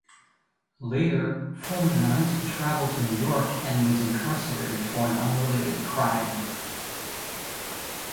Later, Fulminante traveled to New York and was incarcerated for an unrelated crime.